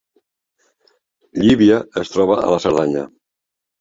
Llívia es troba a la Cerdanya